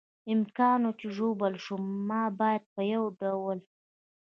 امکان و، چې ژوبل شم، ما باید په یو ډول.